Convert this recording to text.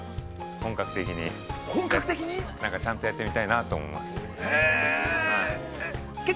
本格的に、◆本格的に？◆ちゃんとやってみたいなと思いまして。